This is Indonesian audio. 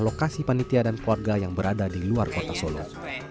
lokasi panitia dan keluarga yang berada di luar kota solo